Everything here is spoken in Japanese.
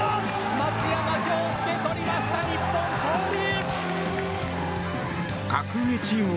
松山恭助、取りました日本、勝利！